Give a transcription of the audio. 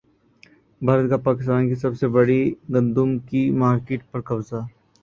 بھارت کا پاکستان کی سب سے بڑی گندم کی مارکیٹ پر قبضہ